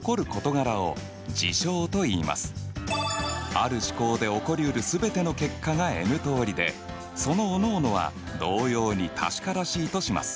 ある試行で起こりうるすべての結果がＮ通りでそのおのおのは「同様に確からしい」とします。